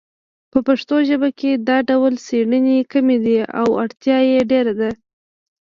په پښتو ژبه کې دا ډول څیړنې کمې دي او اړتیا یې ډېره ده